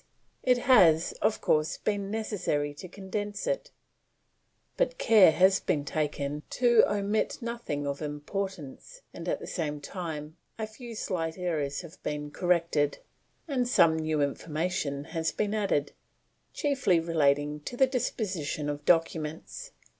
it has, of course, been necessary to condense it, but care has been taken to omit nothing of importance, and at the same time a few slight errors have been corrected, and some new information has been added, chiefly relating to the disposition of documents.